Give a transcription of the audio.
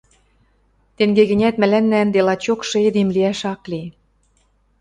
Тенге гӹнят мӓлӓннӓ ӹнде лачокшы эдем лиӓш ак ли